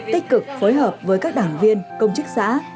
tích cực phối hợp với các đảng viên công chức xã